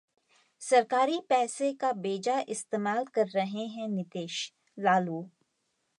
सरकारी पैसे का बेजा इस्तेमाल कर रहे हैं नीतीश: लालू